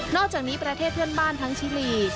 อกจากนี้ประเทศเพื่อนบ้านทั้งชิลี